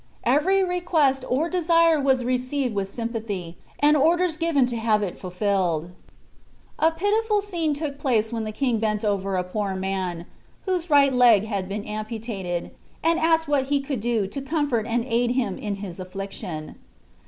Every request or desire was received with sympathy and orders given to have it fulfilled. A pitiful scene took place when the King bent over a poor man, whose right leg had been amputated, and asked what he could do to comfort and aid him in his affliction.